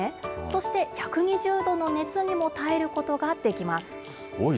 そして１２０度の熱にも耐えることができます。